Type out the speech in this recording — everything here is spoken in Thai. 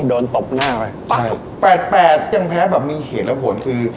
ตบหน้าไปตายแปดแปดยังแพ้แบบมีเหตุและผลคือ